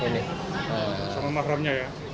sama mahramnya ya